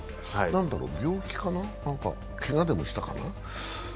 何だろう、病気かな、けがでもしたかな。